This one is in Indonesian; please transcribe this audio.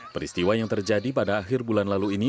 peristiwa yang terjadi pada akhir bulan lalu ini